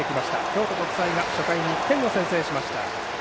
京都国際が初回に１点を先制しました。